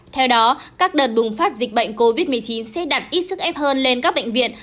theo đó các đợt bùng phát dịch bệnh covid một mươi chín sẽ đặt ít sức ép hơn lên các bệnh viện